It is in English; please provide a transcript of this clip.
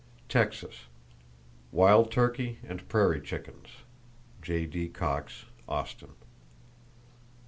Texas: Wild turkey and prairie chickens.—(J.D. Cox, Austin.)